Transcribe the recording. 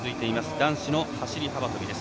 男子の走り幅跳びです。